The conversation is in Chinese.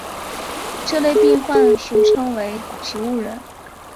这类病患俗称为植物人。